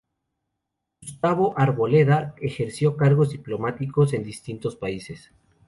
Gustavo Arboleda ejerció cargos diplomáticos en distintos países.